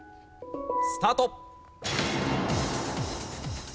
スタート。